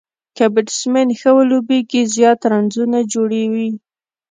که بيټسمېن ښه ولوبېږي، زیات رنزونه جوړوي.